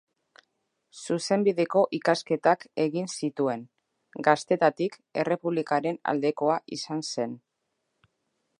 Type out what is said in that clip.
Zuzenbideko ikasketak egin zituen; gaztetatik errepublikaren aldekoa izan zen.